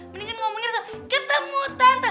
mendingan ngomongnya seperti ketemu tante